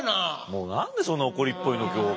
もう何でそんな怒りっぽいの今日。